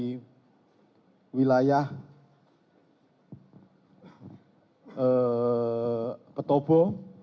di wilayah petobo